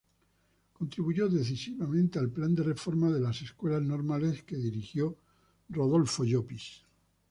Contribuyó decisivamente al Plan de Reforma de las Escuelas Normales que dirigió Rodolfo Llopis.